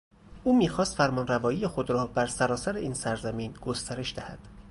او میخواست فرمانروایی خود را بر سرتاسر این سرزمین گسترش دهد.